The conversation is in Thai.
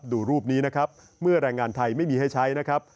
ดูรูปนี้นะครับเมื่อแรงงานไทยไม่มีให้ใช้นะครับ